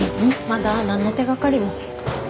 まだ何の手がかりも。